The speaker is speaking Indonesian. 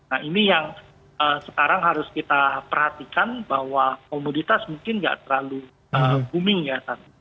nah ini yang sekarang harus kita perhatikan bahwa komoditas mungkin nggak terlalu booming ya